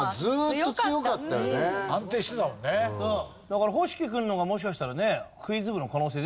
だから星輝君の方がもしかしたらね。